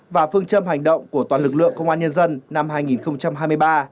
và phương châm hành động của toàn lực lượng công an nhân dân năm hai nghìn hai mươi ba